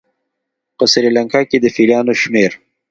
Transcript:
په سریلانکا کې د فیلانو شمېر